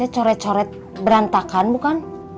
coret coret berantakan bukan